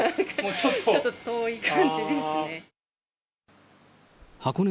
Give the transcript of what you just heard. ちょっと遠い感じですね。